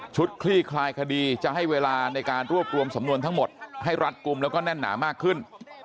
คลี่คลายคดีจะให้เวลาในการรวบรวมสำนวนทั้งหมดให้รัดกลุ่มแล้วก็แน่นหนามากขึ้น